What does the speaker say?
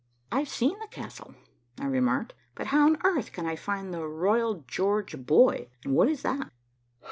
"I've seen the castle," I remarked, "but how on earth can I find the Royal George buoy, and what is it?"